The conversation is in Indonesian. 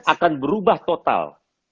akan berubah total